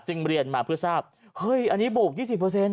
เรียนมาเพื่อทราบเฮ้ยอันนี้โบก๒๐